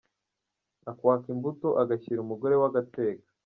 Akwaka imbuto agashyira umugore we agateka.